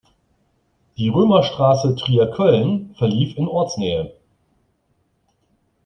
Die Römerstraße Trier–Köln verlief in Ortsnähe.